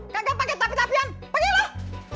kakak pake tapi tapi yang pake lah